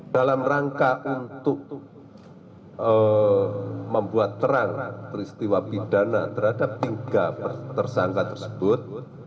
dalam rangka untuk membuat terang peristiwa pidana terhadap tiga tersangka tersebut